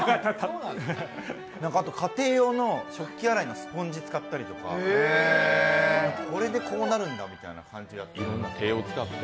あと家庭用の食器洗いのスポンジ使ったりとか、これでこうなるんだみたいな感じで。